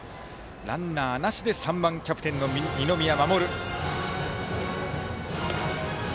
ランナーなしでバッター３番、キャプテンの二宮士。